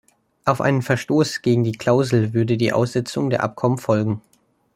Auf einen Verstoß gegen die Klausel würde die Aussetzung der Abkommen folgen.